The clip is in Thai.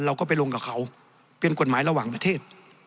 เราก็ไปลงกับเขาเป็นกฎหมายระหว่างประเทศ